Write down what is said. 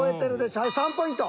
はい３ポイント。